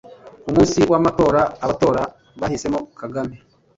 Ku munsi w’amatora, abatora bahisemo Kagame